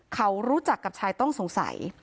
เขารู้จักกับชายต้องสงสัย